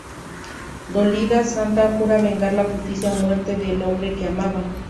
Dolida, Santa jura vengar la injusta muerte del hombre que amaba.